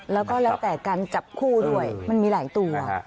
แล้วก็แล้วแต่การจับคู่ด้วยมันมีหลายตัว